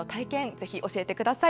ぜひ教えてください。